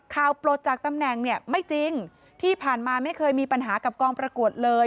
ปลดจากตำแหน่งเนี่ยไม่จริงที่ผ่านมาไม่เคยมีปัญหากับกองประกวดเลย